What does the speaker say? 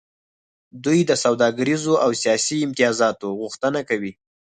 دوی د سوداګریزو او سیاسي امتیازاتو غوښتنه کوي